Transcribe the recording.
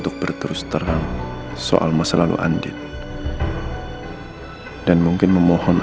ketemu sama pembunuh roy